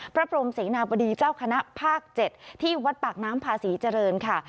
พรมเสนาบดีเจ้าคณะภาค๗ที่วัดปากน้ำพาศรีเจริญค่ะ